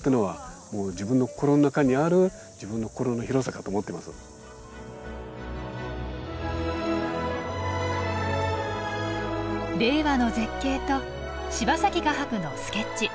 だからこれは令和の絶景と柴崎画伯のスケッチ。